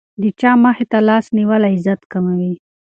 د چا مخې ته لاس نیول عزت کموي.